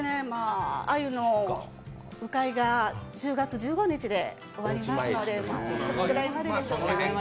あゆの鵜飼いが１０月１５日で終わりますのでそのくらいまででしょうか。